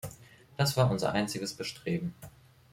Das war unser einziges Bestreben.